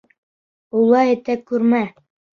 — Улай итә күрмә!